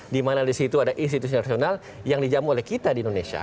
di mana di situ ada institusi internasional yang dijamu oleh kita di indonesia